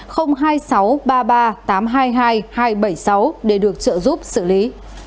sáu trăm ba mươi ba tám trăm hai mươi hai hai trăm bảy mươi sáu để được trợ giúp xử lý